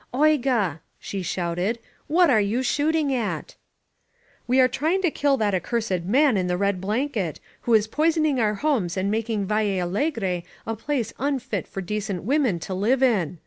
Oigar she shouted. "What are you shooting at?" "We are trying to kill that accursed man in the red blanket, who is poisoning our homes and making Valle Allegre a place unfit for a decent woman to live in!"